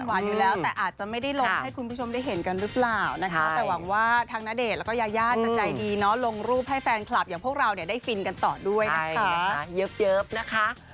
หวานอยู่แล้วแต่อาจจะไม่ได้ลงให้คุณผู้ชมได้เห็นกันหรือเปล่านะคะแต่หวังว่าทั้งณเดชน์แล้วก็ยายาจะใจดีเนาะลงรูปให้แฟนคลับอย่างพวกเราเนี่ยได้ฟินกันต่อด้วยนะคะเยอะนะคะ